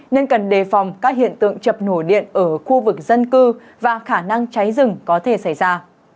nên cần đề phòng các hiện tượng chập nổ điện ở khu vực dân cư và khả năng cháy rừng có thể xảy ra